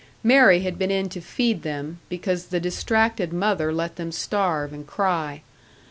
Mary had been in to feed them, because the distracted mother let them starve and cry.